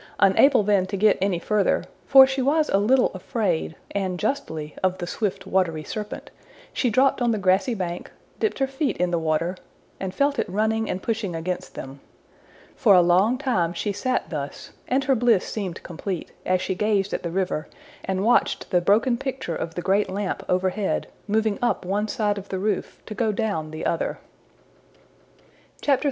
Unable then to get any further for she was a little afraid, and justly, of the swift watery serpent she dropped on the grassy bank, dipped her feet in the water, and felt it running and pushing against them. For a long time she sat thus, and her bliss seemed complete, as she gazed at the river and watched the broken picture of the great lamp overhead, moving up one side of the roof, to go down the other. XIII.